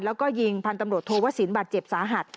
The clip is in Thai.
แล้วก็ยิงพันธุ์ตำรวจโทวสินบาดเจ็บสาหัส